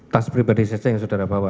tas pribadi saja yang saudara bawa